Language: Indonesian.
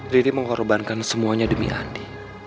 riri mengorbankan semuanya demi andi